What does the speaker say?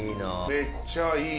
めっちゃいい。